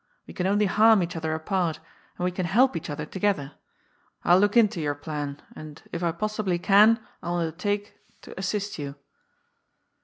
We can only harm each other apart, and we can help each other together. I'll look into your plan, and, if I possibly can, I'll undertake to assist you."